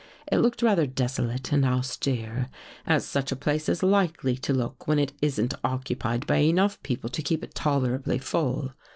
It looked rather deso late and austere, as such a place is likely to look when it isn't occupied by enough people to keep it tolerably full.